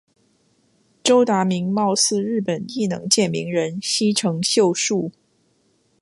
周达明貌似日本艺能界名人西城秀树。